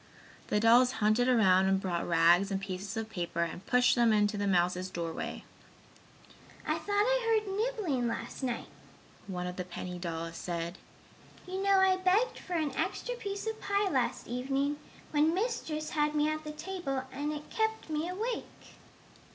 The dolls hunted around and brought rags and pieces of paper and pushed them into the mouse's doorway. "I thought I heard nibbling last night," one of the penny dolls said. "You know I begged for an extra piece of pie last evening, when Mistress had me at the table and it kept me awake!"